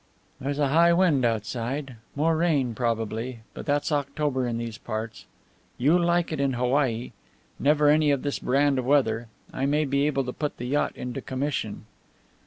"There's a high wind outside. More rain, probably. But that's October in these parts. You'll like it in Hawaii. Never any of this brand of weather. I may be able to put the yacht into commission."